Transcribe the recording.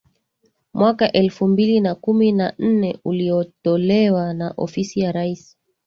mwaka elfu mbili na kumi na nne uliotolewa na Ofisi ya Raisi